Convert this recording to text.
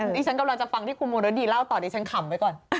นี่ฉันกำลังจะฟังที่คุณมรดีเล่าต่อดิฉันขำไว้ก่อน